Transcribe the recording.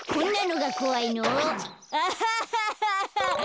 アハハハハ！